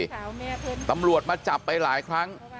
สาวแม่เพิ่งตำลัวมาจับไปหลายครั้ง